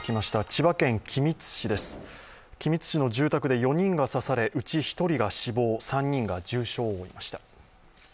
千葉県君津市の住宅で４人が刺され、１人が死亡、３人が重傷を負いました。